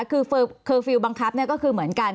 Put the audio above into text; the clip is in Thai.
คือเคอร์ฟิลล์บังคับก็คือเหมือนกัน